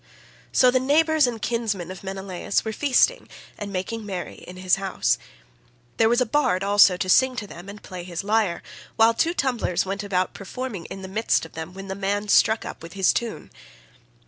So the neighbours and kinsmen of Menelaus were feasting and making merry in his house. There was a bard also to sing to them and play his lyre, while two tumblers went about performing in the midst of them when the man struck up with his tune.